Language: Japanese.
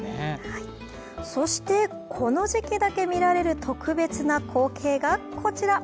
そして、この時期だけ見られる特別な光景がこちら。